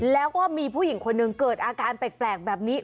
แล้วก็มีผู้หญิงคนหนึ่งเกิดอาการแปลกแบบนี้